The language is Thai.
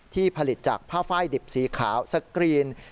ผลิตจากผ้าไฟดิบสีขาวสกรีน